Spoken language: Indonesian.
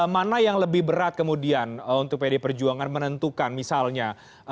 mana yang lebih berat kemudian untuk pd perjuangan menentukan misalnya